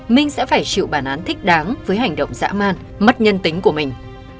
minh sẽ phải chịu bản án thích đáng với hành động dã man mất nhân tính của mình